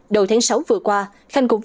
đầu tháng sáu vừa qua khanh có thông tin